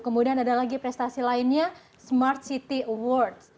kemudian ada lagi prestasi lainnya smart city awards